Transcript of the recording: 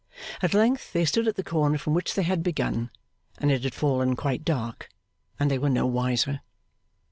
At length they stood at the corner from which they had begun, and it had fallen quite dark, and they were no wiser.